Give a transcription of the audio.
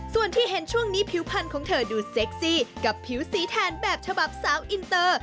ส่วนที่เห็นช่วงนี้ผิวพันธุ์ของเธอดูเซ็กซี่กับผิวสีแทนแบบฉบับสาวอินเตอร์